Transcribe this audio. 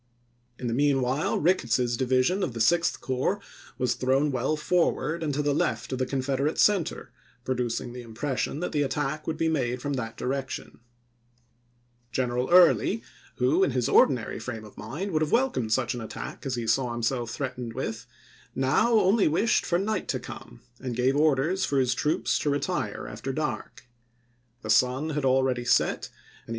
In the mean while, Ricketts's division of the Sixth Corps was thrown well forward and to the left of the Confederate center, producing the impression that the attack would be made from that direction. 308 ABRAHAM LINCOLN SHEKIDAN IN THE SHENANDOAH 309 Q eneral Early, who, in his ordinary frame of mind, ch. xiii. would have welcomed such an attack as he saw himself threatened with, now only wished for night to come, and gave orders for his troops to Mggjgk retire after dark. The sun had already set, and he ye*™